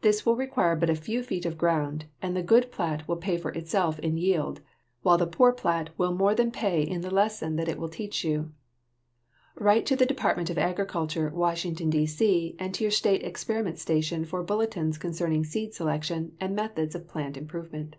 This will require but a few feet of ground, and the good plat will pay for itself in yield, while the poor plat will more than pay in the lesson that it will teach you. Write to the Department of Agriculture, Washington, D.C., and to your state experiment station for bulletins concerning seed selection and methods of plant improvement.